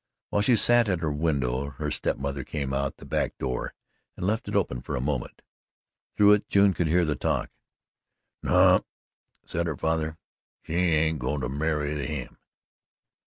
While she sat at her window, her step mother came out the back door and left it open for a moment. Through it June could hear the talk: "No," said her father, "she ain't goin' to marry him."